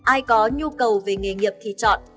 ai có nhu cầu về nghề nghiệp thì chọn